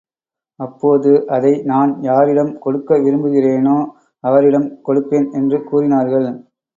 அப்போது அதை நான் யாரிடம் கொடுக்க விரும்புகிறேனோ, அவரிடம் கொடுப்பேன் என்று கூறினார்கள்.